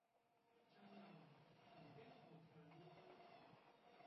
Trong lòng thầm tiếc một thời ngu ngơ